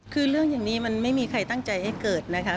คือเรื่องอย่างนี้มันไม่มีใครตั้งใจให้เกิดนะคะ